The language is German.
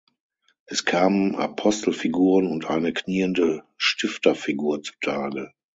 Es kamen Apostelfiguren und eine kniende Stifterfigur zutage.